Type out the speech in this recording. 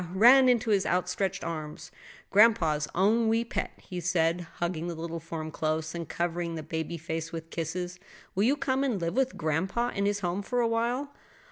ran into his outstretched arms. "Grandpa's own wee pet," he said, hugging the little form close and covering the baby face with kisses. "Will you come and live with grandpa in his home for awhile?"